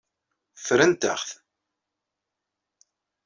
Ffrent-aɣ-t.